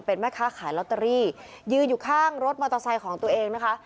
เป็นแม่ค้าขายลอตเตอรี่ยืนอยู่ข้างรถมอเตอร์ไซค์ของตัวเองนะคะ